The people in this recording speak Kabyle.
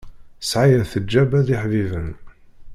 Sɛaya teǧǧaba d iḥbiben.